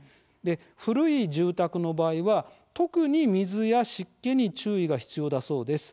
古い住宅の場合は、特に水や湿気に注意が必要だそうです。